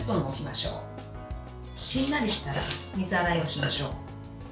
しんなりしたら水洗いをしましょう。